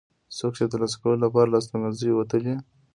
څوک چې د ترلاسه کولو لپاره له استوګنځیو وتلي.